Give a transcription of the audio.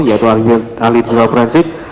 yaitu ahli digital forensik